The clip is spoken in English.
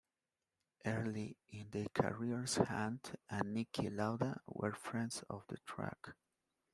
Early in their careers Hunt and Niki Lauda were friends off the track.